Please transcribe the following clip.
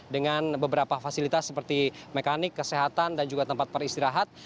dengan beberapa fasilitas seperti mekanik kesehatan dan juga tempat peristirahat